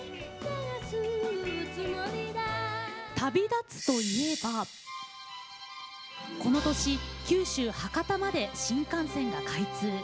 旅立つといえば、この年九州・博多まで新幹線が開通。